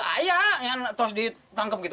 tidak ya terus ditangkep gitu